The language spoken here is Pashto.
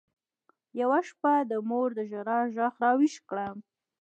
يوه شپه د مور د ژړا ږغ راويښ کړم.